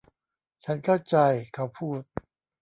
ฉันเข้าใจเขาพูด